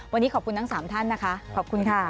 วันนี้ขอบคุณทั้ง๓ท่านนะคะขอบคุณค่ะ